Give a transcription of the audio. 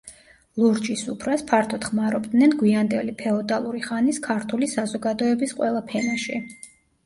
ლურჯი სუფრას ფართოდ ხმარობდნენ გვიანდელი ფეოდალური ხანის ქართული საზოგადოების ყველა ფენაში.